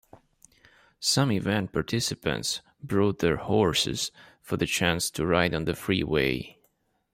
Some event participants brought their horses for the chance to ride on the freeway.